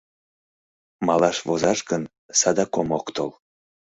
Малаш возаш гын, садак омо ок тол.